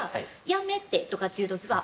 「やめて」とかっていう時は。